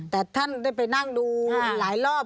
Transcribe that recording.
แต่ท่านได้ไปนั่งดูหลายรอบ